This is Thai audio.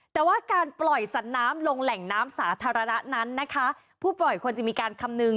แต่ว่าการปล่อยสัตว์น้ำลงแหล่งน้ำสาธารณะนั้นนะคะผู้ปล่อยควรจะมีการคำนึง